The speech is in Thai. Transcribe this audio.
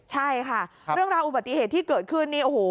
ใช่ค่ะเรื่องราวอุบัติเหตุที่เกิดขึ้น